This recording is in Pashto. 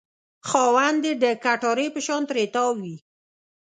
خاوند یې د کټارې په شان ترې تاو وي.